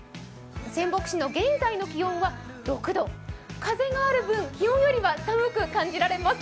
仙北市の現在の気温は６度、風がある分気温よりは寒く感じられます。